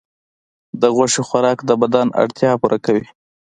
د غوښې خوراک د بدن اړتیاوې پوره کوي.